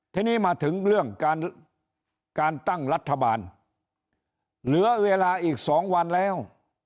ทีนี้มาถึงเรื่องการตั้งรัฐบาลเหลือเวลาอีก๒วันแล้ว